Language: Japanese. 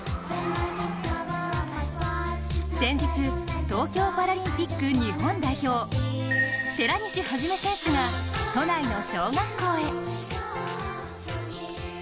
先日、東京パラリンピック日本代表、寺西一選手が都内の小学校へ。